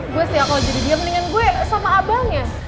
gue setiap kalau jadi dia mendingan gue sama abangnya